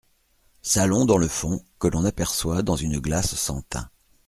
Salon dans le fond, que l’on aperçoit dans une glace sans tain.